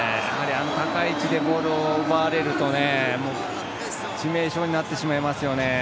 あの高い位置でボールを奪われると致命傷になってしまいますよね。